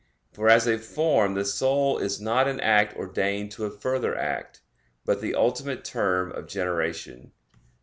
For as a form the soul is not an act ordained to a further act, but the ultimate term of generation.